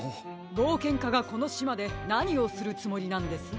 ぼうけんかがこのしまでなにをするつもりなんです？